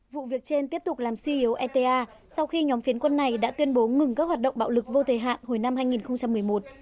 vụ việc trên tiếp tục làm suy yếu eta sau khi nhóm phiến quân này đã tuyên bố ngừng các hoạt động bạo lực vô thời hạn hồi năm hai nghìn một mươi một